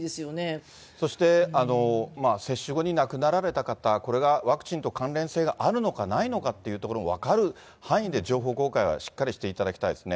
そして、接種後に亡くなられた方、これがワクチンと関連性があるのかないのかっていうところも分かる範囲で情報公開はしっかりしていただきたいですね。